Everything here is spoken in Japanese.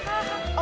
あ！